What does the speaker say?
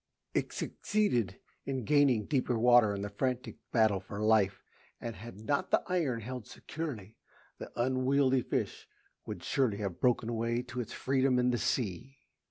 It succeeded in gaining deeper water in the frantic battle for life, and had not the iron held securely, the unwieldy fish would surely have broken away to its freedom in the sea.